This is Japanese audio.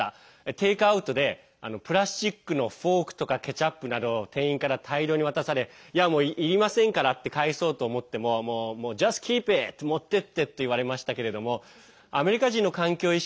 テイクアウトでプラスチックのフォークとかケチャップなどを店員から大量に渡されいりませんからと返そうと思っても持っていってといわれましたけどアメリカ人の環境意識